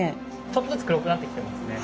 ちょっとずつ黒くなってきてますね。